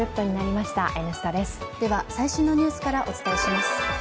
最新のニュースからお伝えします。